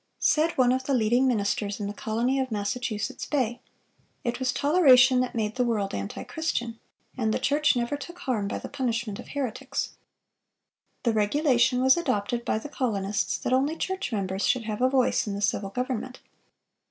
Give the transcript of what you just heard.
Said one of the leading ministers in the colony of Massachusetts Bay: "It was toleration that made the world antichristian; and the church never took harm by the punishment of heretics."(439) The regulation was adopted by the colonists, that only church members should have a voice in the civil government.